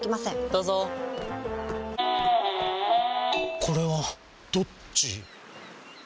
どうぞこれはどっち？